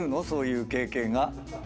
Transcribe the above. そういう経験が。